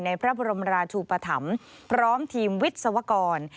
พระบรมราชูปธรรมพร้อมทีมวิศวกร